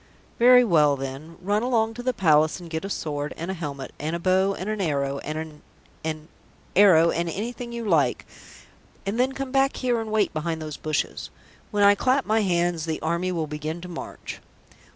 "Very well, then. Run along to the Palace and get a sword and a helmet and a bow and an arrow and an an arrow and anything you like, and then come back here and wait behind those bushes. When I clap my hands the army will begin to march."